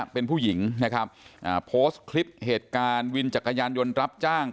เป็นผู้หญิงนะครับโพสต์คลิปเหตุการณ์วินจักรยานยนต์รับจ้าง